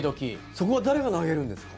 そこは誰が投げるんですか？